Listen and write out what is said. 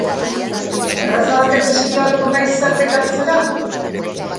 Terraza batean eseri ahalko naiz zerbait hartzera?